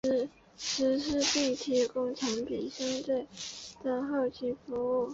实施并提供产品相关的后勤服务。